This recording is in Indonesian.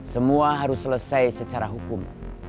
semua harus selesai secara hukum